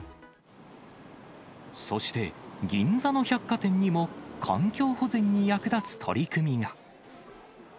そして、銀座の百貨店にも、環境保全に役立つ取り組みが。